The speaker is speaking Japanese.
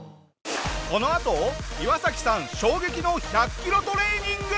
このあとイワサキさん衝撃の１００キロトレーニング。